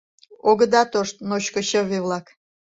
Огыда тошт, ночко чыве-влак.